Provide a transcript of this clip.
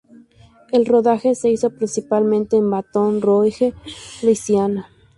El rodaje se hizo principalmente en Baton Rouge, Louisiana.